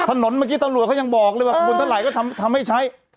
ถนนเมื่อกี้ตำรวจเขายังบอกเลยว่าบนเท่าไหร่ก็ทำให้ใช้